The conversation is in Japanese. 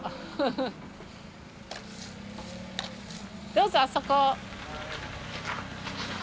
どうぞあそこ。